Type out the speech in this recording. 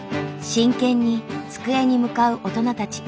真剣に机に向かう大人たち。